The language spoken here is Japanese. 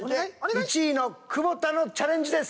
１位の久保田のチャレンジです。